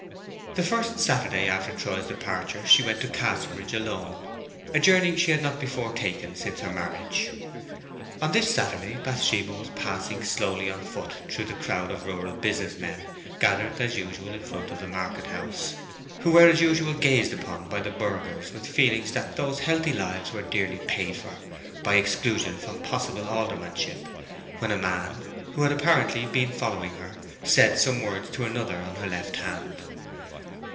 The first Saturday after Troy's departure she went to Casterbridge alone, a journey she had not before taken since her marriage. On this Saturday Bathsheba was passing slowly on foot through the crowd of rural business men gathered as usual in front of the market house, who were as usual gazed upon by the burghers with feelings that those healthy lives were dearly paid for by exclusion from possible aldermanship, when a man, who had apparently been following her, said some words to another on her left hand.